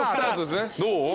どう？